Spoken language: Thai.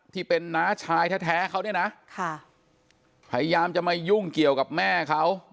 ที่เป็นน้าชายแท้เขาเนี่ยนะค่ะพยายามจะมายุ่งเกี่ยวกับแม่เขา